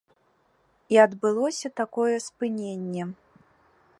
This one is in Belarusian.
І адбылося такое спыненне.